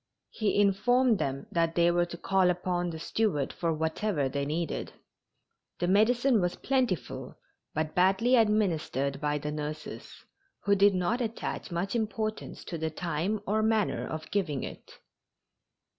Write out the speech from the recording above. He informed them that they were to call upon the steward for whatever they needed. The medicine was plentiful, but badly administered by the nurses, who did not attach much importance to the time or manner of giving it.